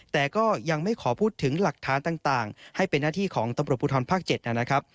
แต่ก็ยังไม่ขอพูดถึงหลักฐานต่างให้เป็นหน้าที่ของตำรวจภูทรภาค๗นะครับ